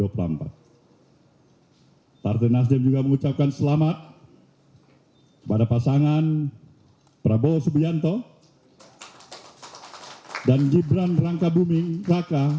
partai nasdem juga mengucapkan selamat pada pasangan prabowo subianto dan gibran raka buming raka